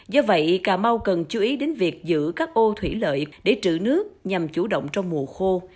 do vậy cà mau cần chú ý đến việc giữ các ô thủy lợi để trữ nước nhằm chủ động trong mùa khô